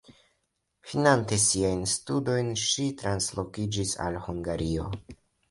Finante siajn studojn ŝi translokiĝis al Hungario.